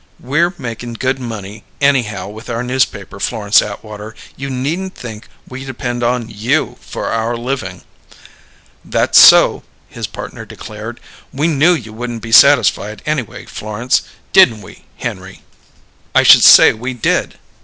We're makin' good money anyhow, with our newspaper, Florence Atwater. You needn't think we depend on you for our living!" "That's so," his partner declared. "We knew you wouldn't be satisfied, anyway, Florence. Didn't we, Henry?" "I should say we did!"